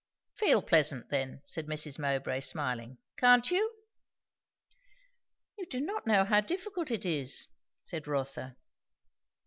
"Feel pleasant, then," said Mrs. Mowbray smiling. "Can't you?" "You do not know how difficult it is," said Rotha.